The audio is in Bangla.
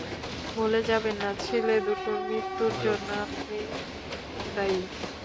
ভুলে যাবেন না ছেলে দুটোর মৃত্যুর জন্য আপনিও দায়ী।